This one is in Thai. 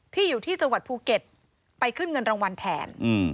อยู่ที่จังหวัดภูเก็ตไปขึ้นเงินรางวัลแทน